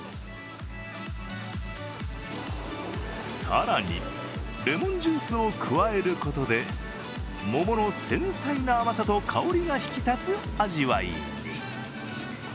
更にレモンジュースを加えることで桃の繊細な甘さと香りが引き立つ味わいに。